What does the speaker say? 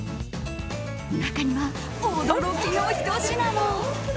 中には驚きのひと品も。